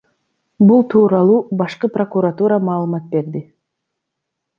Бул тууралуу башкы прокуратура маалымат берди.